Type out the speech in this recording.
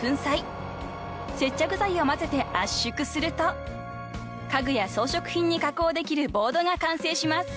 ［接着剤を混ぜて圧縮すると家具や装飾品に加工できるボードが完成します］